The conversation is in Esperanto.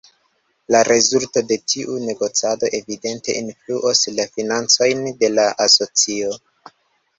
La rezulto de tiu negocado evidente influos la financojn de la asocio.